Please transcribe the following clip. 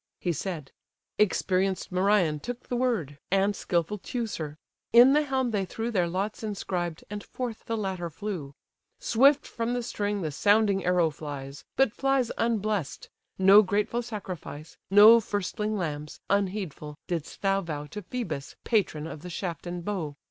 He said: experienced Merion took the word; And skilful Teucer: in the helm they threw Their lots inscribed, and forth the latter flew. Swift from the string the sounding arrow flies; But flies unbless'd! No grateful sacrifice, No firstling lambs, unheedful! didst thou vow To Phœbus, patron of the shaft and bow.